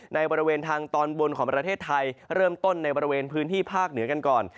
บริเวณทางตอนบนของประเทศไทยเริ่มต้นในบริเวณพื้นที่ภาคเหนือกันก่อน